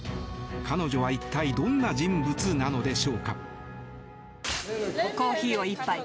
彼女は一体どんな人物なのでしょうか。